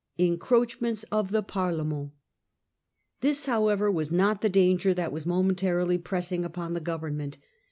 Encroachments of the Parlbmbnt, This however was not the danger that was mo mentarily pressing upon the government.